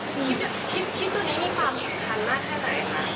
คลิปตัวนี้มีความสนุกทันมากแค่ไหนครับ